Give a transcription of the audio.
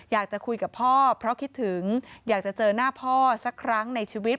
อยากจะคุยกับพ่อเพราะคิดถึงอยากจะเจอหน้าพ่อสักครั้งในชีวิต